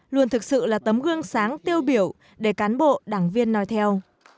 luôn thực sự là tấm gương sáng tiêu biểu để cán bộ đảng viên nói theo